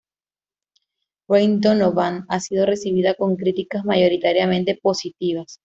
Ray Donovan ha sido recibida con críticas mayoritariamente positivas.